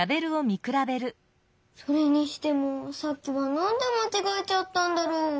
それにしてもさっきはなんでまちがえちゃったんだろう？